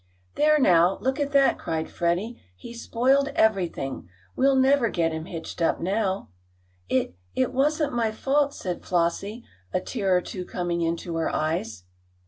"There now! Look at that!" cried Freddie. "He's spoiled everything! We'll never get him hitched up now." "It it wasn't my fault," said Flossie, a tear or two coming into her eyes.